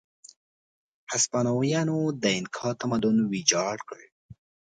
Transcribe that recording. هسپانویانو د اینکا تمدن ویجاړ کړ.